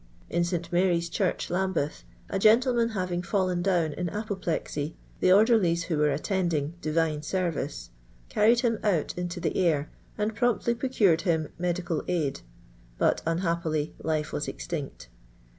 In St. Marjr's Church. Lambeth, a gentleman having falltn down in a^H)plexy, the orderlies who were attend ing Divir.o service, carried him out into the air, and )trumptly iirorured htm medical aid, but unhappily life was extinct.